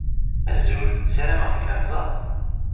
Azul. Sarameɣ tgerrzeḍ.